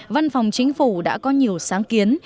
văn phòng chính phủ đã có nhiều sáng kiến